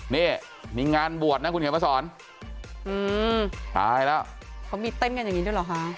นี่มีงานบวชนะคุณเขียนมาสอนอืมตายแล้วเขามีเต้นกันอย่างนี้ด้วยเหรอคะ